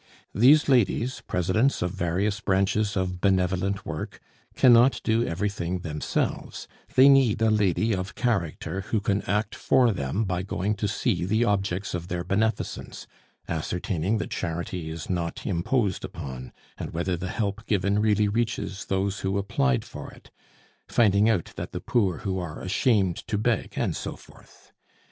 These ladies, presidents of various branches of benevolent work, cannot do everything themselves; they need a lady of character who can act for them by going to see the objects of their beneficence, ascertaining that charity is not imposed upon, and whether the help given really reaches those who applied for it, finding out that the poor who are ashamed to beg, and so forth.